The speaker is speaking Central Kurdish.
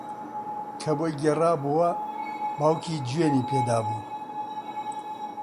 کە بۆی گێڕابۆوە باوکی جوێنی پێدابوو